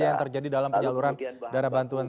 yang terjadi dalam penyaluran dana bantuan